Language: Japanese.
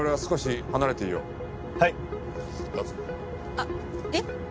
あっえっ？